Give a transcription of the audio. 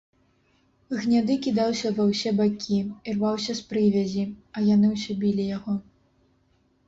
Гняды кідаўся ва ўсе бакі, ірваўся з прывязі, а яны ўсё білі яго.